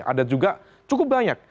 ada juga cukup banyak